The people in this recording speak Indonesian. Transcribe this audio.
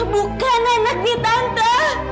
bukan anaknya tante